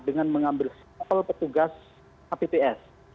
dengan mengambil sampel petugas apts